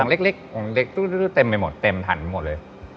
องค์เล็กเต็มไปหมดเต็มถันไปหมดเลย